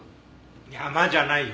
山じゃないよ。